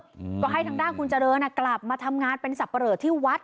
อืมก็ให้ทางด้านคุณเจริญอ่ะกลับมาทำงานเป็นสับปะเหลอที่วัด